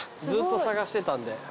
ずっと探してたんで。